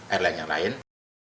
airline yang lain